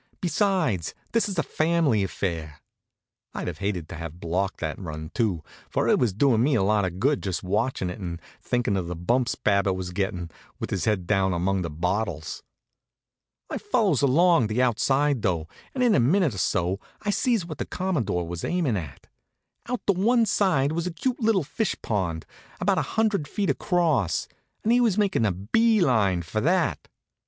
"Besides, this is a family affair." I'd have hated to have blocked that run, too; for it was doin' me a lot of good, just watchin' it and thinkin' of the bumps Babbitt was gettin', with his head down among the bottles. I follows along on the outside though, and in a minute or so I sees what the Commodore was aimin' at. Out to one side was a cute little fish pond, about a hundred feet across, and he was makin' a bee line for that.